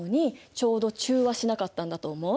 ちょうど中和しなかったんだと思う？